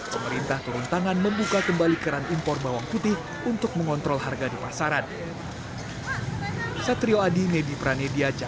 pemerintah turun tangan membuka kembali keran impor bawang putih untuk mengontrol harga di pasaran